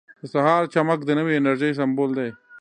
• د سهار چمک د نوې انرژۍ سمبول دی.